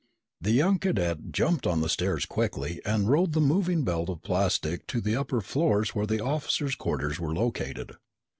The young cadet jumped on the stairs quickly and rode the moving belt of plastic to the upper floors where the officers' quarters were located.